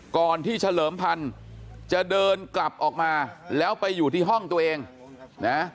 ก่อนที่เฉลิมพันธุ์จะเดินกลับออกมาแล้วไปอยู่ที่ห้องตัวเองนะ